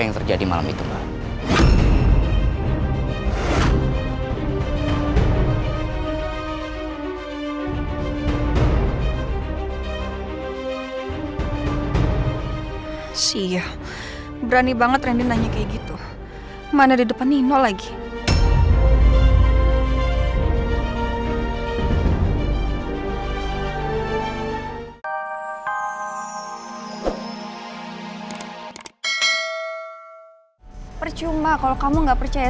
sampai jumpa di video selanjutnya